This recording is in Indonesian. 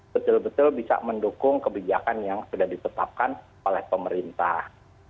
betul betul bisa mendukung kebijakan yang sudah ditetapkan oleh pemerintah